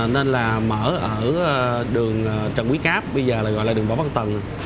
nên là mở ở đường trần quý cáp bây giờ là gọi là đường võ văn tận